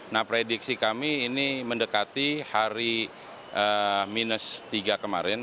nah prediksi kami ini mendekati hari minus tiga kemarin